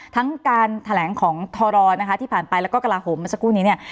ทั้งการแถลงของทรนะคะที่ผ่านไปแล้วก็กระลาโหมมาสักครู่นี้เนี่ย